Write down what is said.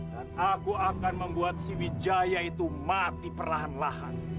dan aku akan membuat si wijaya itu mati perlahan lahan